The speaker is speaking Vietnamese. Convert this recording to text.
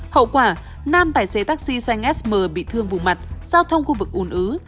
hậu quả nam tài xế taxi xanh sm bị thương vùng mặt giao thông khu vực ùn ứ